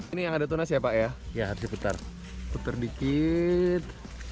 ini yang ada tunas ya pak ya harus diputar putar dikit